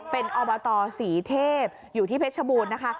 เป็นอบตศรีเทพอยู่ที่เพชรบูรณ์นะคะ